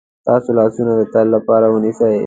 ستاسو لاسونه د تل لپاره ونیسي.